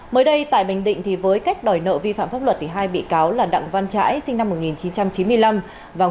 mới đây tại bình định với cách đòi nợ vi phạm pháp luật hai bị cáo là đặng văn trãi sinh năm một nghìn chín trăm chín mươi năm